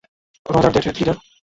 Roger that, red leader.